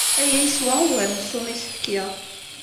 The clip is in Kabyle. Aya yeswa ugar n ssuma i as-fkiɣ.